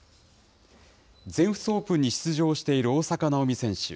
全仏オープンに出場している大坂なおみ選手。